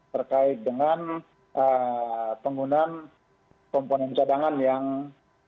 terkait dengan penggunaan komponen cadangan yang